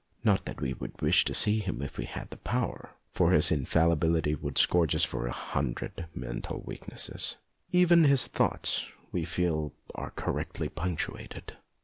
Not that we would wish to see him if we had the power, for his infallibility \vould scourge us for a hundred mental weaknesses. Even his thoughts, we feel, are correctly punctuated.